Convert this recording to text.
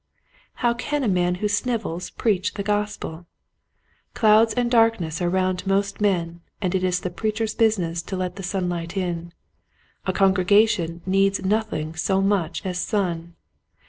How can a man who snivels preach the gospel } Clouds and darkness are round most men and it is the preacher's business to let the sunlight in. A congregation' needs nothing so much as sun.